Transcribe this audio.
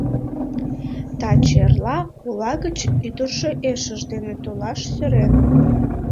Таче-эрла ола гыч ӱдыржӧ ешыж дене толаш сӧрен.